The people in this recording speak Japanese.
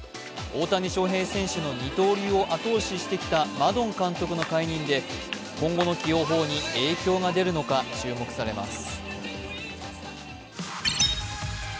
大谷翔平選手の二刀流を後押ししてきたマドン監督の解任で、今後の起用法に影響が出るのか注目されます。